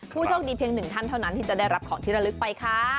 โชคดีเพียงหนึ่งท่านเท่านั้นที่จะได้รับของที่ระลึกไปค่ะ